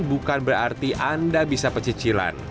bukan berarti anda bisa pecicilan